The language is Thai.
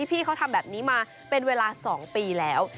พี่เขาทำแบบนี้มาเป็นเวลา๒ปีแล้ว